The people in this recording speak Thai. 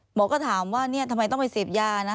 หมอก็ถามว่าเนี่ยทำไมต้องไปเสพยานะ